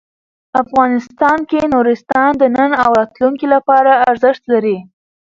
افغانستان کې نورستان د نن او راتلونکي لپاره ارزښت لري.